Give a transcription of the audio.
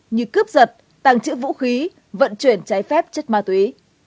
như cướp giật tàng trữ vũ khí vận chuyển trái phép chất ma túy